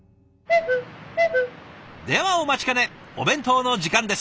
ではお待ちかねお弁当の時間です。